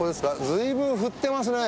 随分振ってますね。